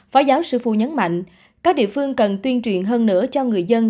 phó giáo sư phu nhấn mạnh các địa phương cần tuyên truyền hơn nữa cho người dân